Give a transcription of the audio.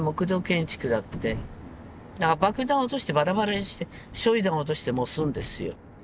爆弾落としてバラバラにして焼い弾落として燃すんですよ。